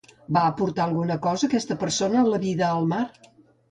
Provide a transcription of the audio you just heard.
Va aportar alguna cosa aquesta persona a la vida al Mar?